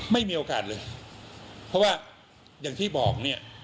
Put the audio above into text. ไม่มีโอกาสเลยเพราะว่าอย่างที่บอกเนี่ย